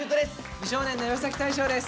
美少年の岩大昇です。